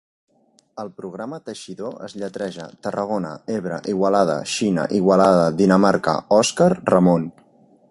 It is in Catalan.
El programa 'Teixidor' es lletreja Tarragona-Ebre-Igualada-Xina-Igualada-Dinamarca-Òscar-Ramon.